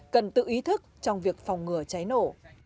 cần tự ý thức trong việc phòng ngừa cháy nổ